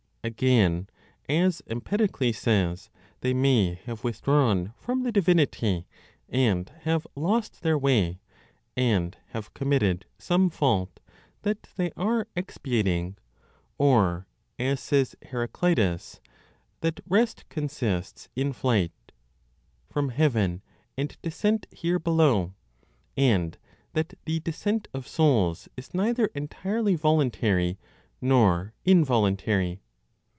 Again, as Empedocles says, they may have withdrawn from the divinity, and have lost their way, and have committed some fault that they are expiating; or, as says Heraclitus, that rest consists in flight (from heaven, and descent here below), and that the descent of souls is neither entirely voluntary, nor involuntary.